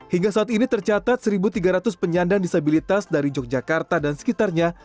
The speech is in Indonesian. hingga saat ini tercatat satu tiga ratus penyandang disabilitas dari yogyakarta dan sekitarnya